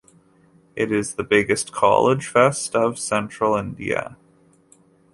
It is the biggest college fest of Central India.